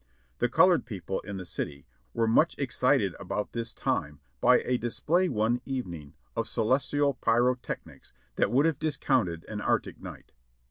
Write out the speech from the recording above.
The colored people in the city were much excited about this time by a display one evening of celestial pyrotechnics that would have discounted an Arctic night.